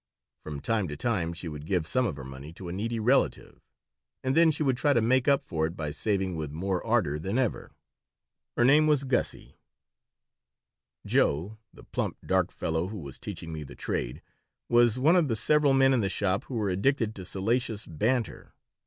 From time to time she would give some of her money to a needy relative, and then she would try to make up for it by saving with more ardor than ever. Her name was Gussie Joe, the plump, dark fellow who was teaching me the trade, was one of the several men in the shop who were addicted to salacious banter.